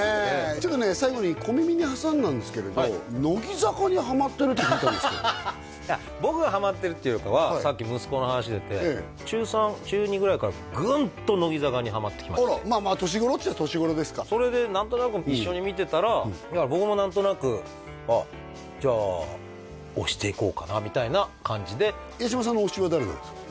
ちょっとね最後に小耳に挟んだんですけれど乃木坂にハマってるって聞いたんですけどいや僕がハマってるってよりかはさっき息子の話出て中３中２ぐらいからぐん！と乃木坂にハマってきましてあらまあまあ年頃っちゃ年頃ですかそれで何となく一緒に見てたら僕も何となく「ああじゃあ推していこうかな」みたいな感じで八嶋さんの推しは誰なんですか？